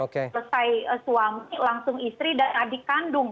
selesai suami langsung istri dan adik kandung